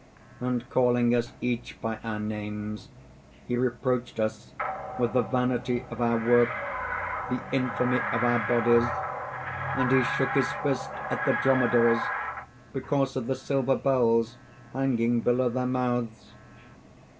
"And calling us each by our names, he reproached us with the vanity of our work, the infamy of our bodies; and he shook his fist at the dromedaries because of the silver bells hanging below their mouths.